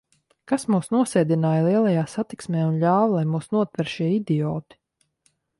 Kas mūs nosēdināja lielajā satiksmē un ļāva, lai mūs notver šie idioti?